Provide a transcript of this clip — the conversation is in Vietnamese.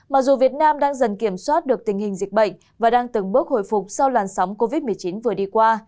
mặc dù việt nam đang dần kiểm soát được tình hình dịch bệnh và đang từng bước hồi phục sau làn sóng covid một mươi chín vừa đi qua